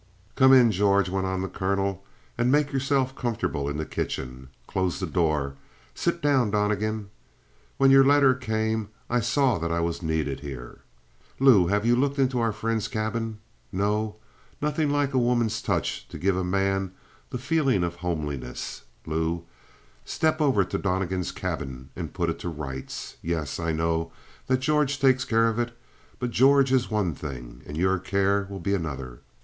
"Come in, George," went on the colonel, "and make yourself comfortable in the kitchen. Close the door. Sit down, Donnegan. When your letter came I saw that I was needed here. Lou, have you looked into our friend's cabin? No? Nothing like a woman's touch to give a man the feeling of homeliness, Lou. Step over to Donnegan's cabin and put it to rights. Yes, I know that George takes care of it, but George is one thing, and your care will be another.